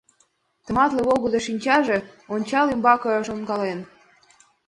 Тыматле, волгыдо шинчаже Онча умбаке шонкален.